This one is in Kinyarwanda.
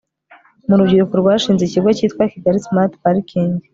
mu rubyiruko rwashinze ikigo cyitwa kigali smart parking